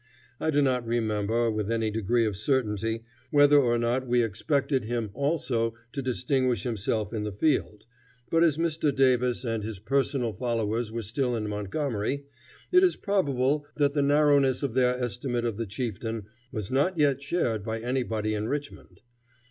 I do not remember, with any degree of certainty, whether or not we expected him also to distinguish himself in the field, but as Mr. Davis and his personal followers were still in Montgomery, it is probable that the narrowness of their estimate of the chieftain was not yet shared by anybody in Richmond.